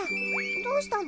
どうしたの？